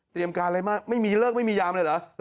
การอะไรมากไม่มีเลิกไม่มียามเลยเหรอ